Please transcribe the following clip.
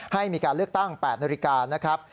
ให้มีการเลือกตั้ง๘นาฬิกานะครับ